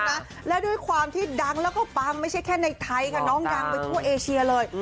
นะแล้วด้วยความที่ดังแล้วก็ปังไม่ใช่แค่ในไทยค่ะน้องดังไปทั่วเอเชียเลย